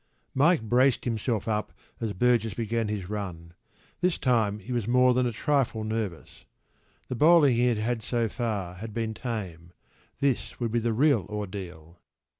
p> Mike braced himself up as Burgess began his run.  This time he was more than a trifle nervous.  The bowling he had had so far had been tame.  This would be the real ordeal.